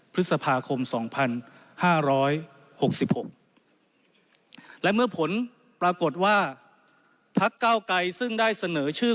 พฤษภาคม๒๕๖๖และเมื่อผลปรากฏว่าพักเก้าไกรซึ่งได้เสนอชื่อ